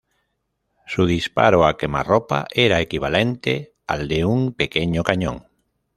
Su disparo a quemarropa era equivalente al de un pequeño cañón.